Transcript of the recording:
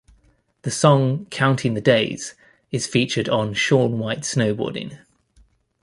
The song "Counting the Days" is featured on "Shaun White Snowboarding".